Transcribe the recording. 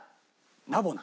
ナボナ。